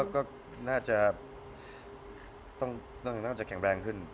ก็น่าจะแข็งแรงขึ้น